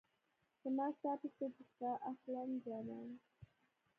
چې په ساه پسې دې ساه اخلم جانانه